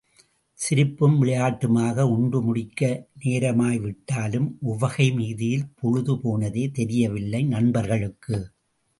சிரிப்பும் விளையாட்டுமாக உண்டு முடிக்க நேரமாய்விட்டாலும் உவகை மிகுதியில் பொழுது போனதே தெரியவில்லை நண்பர்களுக்கு.